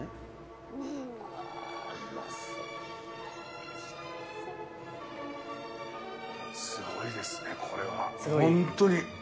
すごいですね、これは本当に。